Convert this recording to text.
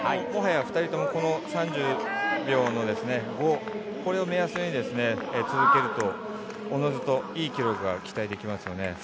もはや２人とも３０秒を目安に続けると、おのずといい記録が期待できますよね。